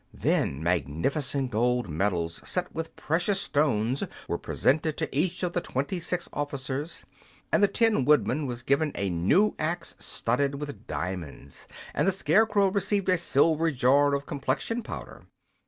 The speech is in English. Then magnificent gold medals set with precious stones were presented to each of the twenty six officers; and the Tin Woodman was given a new axe studded with diamonds; and the Scarecrow received a silver jar of complexion powder.